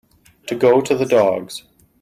To go to the dogs.